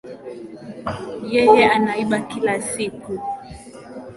Yeye anaiba kila siku